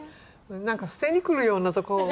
なんか捨てにくるようなところも。